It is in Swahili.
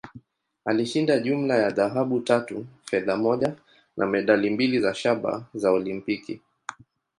Alishinda jumla ya dhahabu tatu, fedha moja, na medali mbili za shaba za Olimpiki.